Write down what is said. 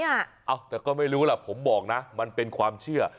เอ้าแต่ก็ไม่รู้ล่ะผมบอกนะมันเป็นความเชื่อ